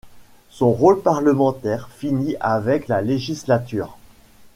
Son rôle parlementaire finit avec la législature.